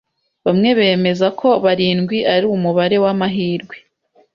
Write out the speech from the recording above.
Bamwe bemeza ko barindwi ari umubare wamahirwe.